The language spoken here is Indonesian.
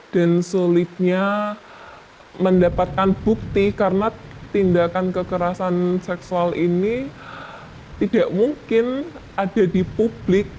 dan sulitnya mendapatkan bukti karena tindakan kekerasan seksual ini tidak mungkin ada di publik